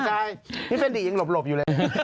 ใช่นี่เป็นดิยังหลบอยู่เลย